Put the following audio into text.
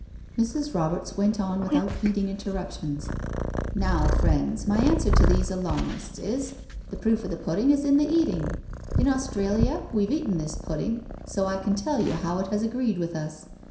Mrs. Roberts went on without heeding interruptions: " Now, friends, my answer to these alarmists is — the proof of the pudding is in the eating. In Australia we've eaten this pudding, so I can tell you how it has agreed with us.